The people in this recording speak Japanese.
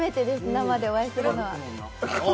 生でお会いするのは。